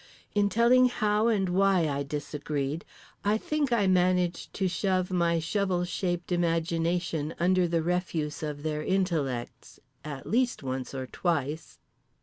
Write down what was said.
In telling how and why I disagreed I think I managed to shove my shovel shaped imagination under the refuse of their intellects. At least once or twice.